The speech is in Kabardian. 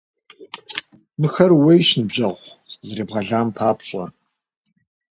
Мыхэр ууейщ, ныбжьэгъу, сыкъызэребгъэлам папщӀэ!